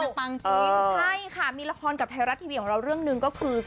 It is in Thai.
น้องปังจริงน้องปังจริงใช่ค่ะมีละครกับไทยรัสทีวีของเราเรื่องหนึ่งก็คือ